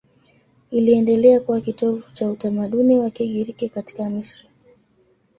Iliendelea kuwa kitovu cha utamaduni wa Kigiriki katika Misri.